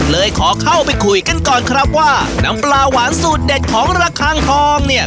เลยขอเข้าไปคุยกันก่อนครับว่าน้ำปลาหวานสูตรเด็ดของระคังทองเนี่ย